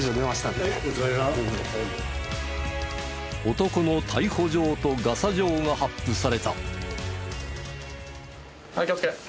男の逮捕状とガサ状が発付された。